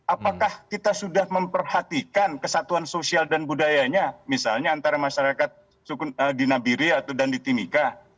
apakah kita sudah memperhatikan kesatuan sosial dan budayanya misalnya antara masyarakat di nabiri atau dan di timika